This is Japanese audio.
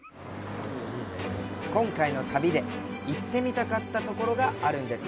今回の旅で行ってみたかったところがあるんです。